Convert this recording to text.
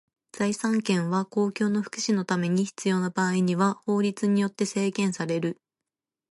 財産権は公共の福祉のために必要な場合には法律によって制限される。